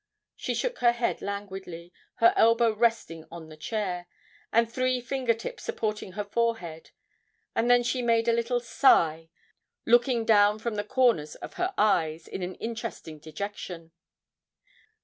She shook her head languidly, her elbow resting on the chair, and three finger tips supporting her forehead, and then she made a little sigh, looking down from the corners of her eyes, in an interesting dejection.